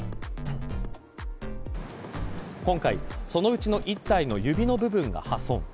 今回、そのうちの１体の指の部分が破損。